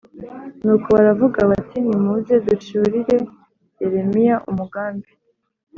Nuko baravuga bati nimuze ducurire Yeremiya umugambi